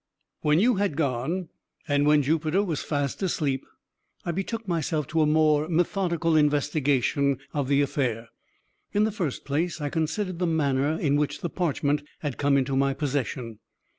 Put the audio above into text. "When you had gone, and when Jupiter was fast asleep, I betook myself to a more methodical investigation of the affair. In the first place, I considered the manner in which the parchment had come into my possession.